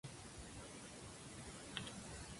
Como el rotor no tiene álabes, es muy resistente.